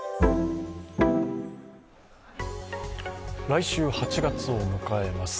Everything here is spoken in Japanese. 来週、８月を迎えます。